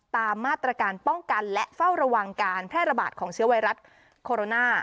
ตามมาตรการป้องกันและเฝ้าระวังการแพร่ระบาดของเชื้อไวรัสโคโรนา